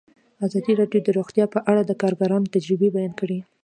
ازادي راډیو د روغتیا په اړه د کارګرانو تجربې بیان کړي.